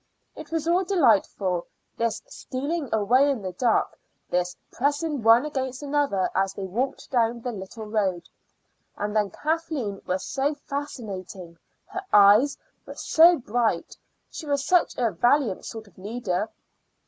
It was all delightful, this stealing away in the dark, this pressing one against another as they walked down the little road. And then Kathleen was so fascinating; her eyes were so bright; she was such a valiant sort of leader.